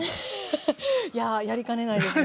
フフッいややりかねないですね。